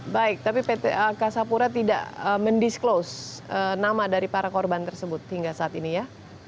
baik tapi pt angkasa pura tidak mendisclose nama dari para korban tersebut hingga saat ini ya